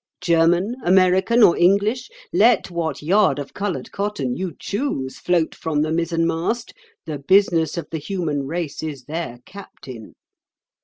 German, American, or English—let what yard of coloured cotton you choose float from the mizzenmast, the business of the human race is their captain.